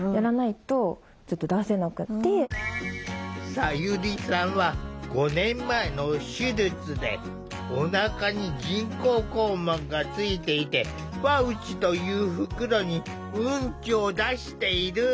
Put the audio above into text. さゆりさんは５年前の手術でおなかに人工肛門がついていてパウチという袋にウンチを出している。